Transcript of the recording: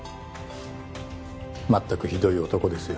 まったくひどい男ですよ。